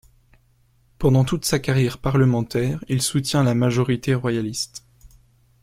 Pendant toute sa carrière parlementaire, il soutient la majorité royaliste.